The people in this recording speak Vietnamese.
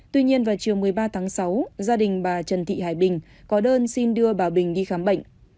tuy nhiên vào chiều một mươi ba tháng sáu gia đình bà trần thị hải bình có đơn xin đưa bà bình đi khám bệnh